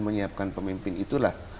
menyiapkan pemimpin itulah